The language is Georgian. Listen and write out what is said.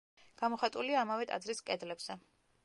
გამოხატულია ამავე ტაძრის კედლებზე.